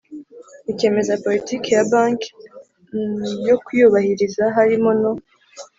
ikemeza politiki ya banki yo kuyubahiriza harimo no